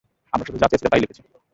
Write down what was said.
আমরা শুধু যা চেয়েছিলাম তাই লিখেছি।